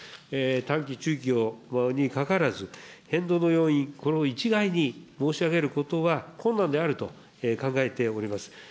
短期、中期にかかわらず、変動の要因、これを一概に申し上げることは困難であると考えております。